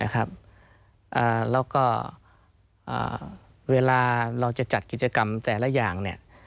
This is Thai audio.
แล้วก็เวลาเราจะจัดกิจกรรมแต่ละอย่าง